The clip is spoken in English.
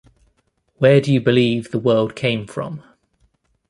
Where do you believe the world came from?